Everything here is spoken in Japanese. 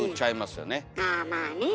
あぁまあね。